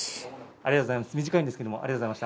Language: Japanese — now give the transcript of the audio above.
おめでとうございます。